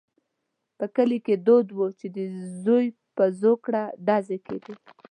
په کلي کې دود وو چې د زوی پر زوکړه ډزې کېدې.